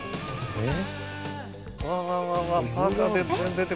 えっ？